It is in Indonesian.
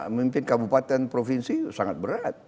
memimpin kabupaten provinsi sangat berat